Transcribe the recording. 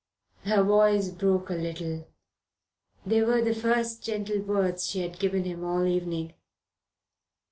Her voice broke a little. They were the first gentle words she had given him all the evening.